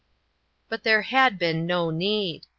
But there had been no need.